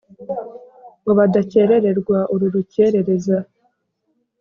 Ngo badacyerererwa uru rucyerereza